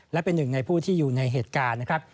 และเป็นหนึ่งในผู้ที่อยู่ในเหตุการณ์นะครับ